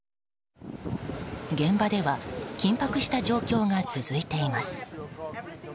現場では緊迫した状況が続いています。